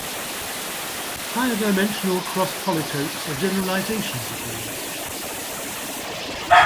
Higher-dimensional cross-polytopes are generalizations of these.